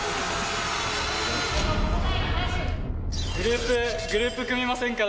グループグループ組みませんか？